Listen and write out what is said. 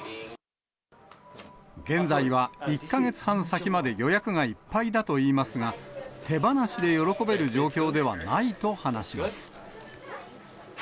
現在は、１か月半先まで予約がいっぱいだといいますが、手放しで喜べる状況ではないと話します。